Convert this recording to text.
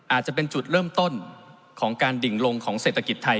อาจจะเป็นจุดเริ่มต้นของการดิ่งลงของเศรษฐกิจไทย